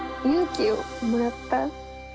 勇気をもらった。